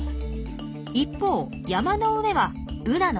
一方山の上はブナの森。